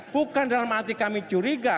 bukan dalam arti kami curiga